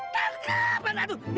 tangkap mereka tuh